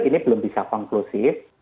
ini belum bisa konklusif